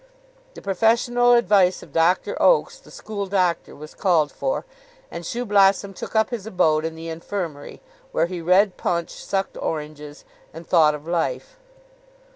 The professional advice of Dr. Oakes, the school doctor, was called for, and Shoeblossom took up his abode in the Infirmary, where he read Punch, sucked oranges, and thought of Life.